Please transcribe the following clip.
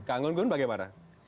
kang gun gun bagaimana